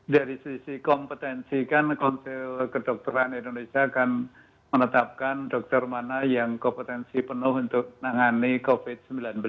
dari sisi kompetensi kan konsul kedokteran indonesia akan menetapkan dokter mana yang kompetensi penuh untuk menangani covid sembilan belas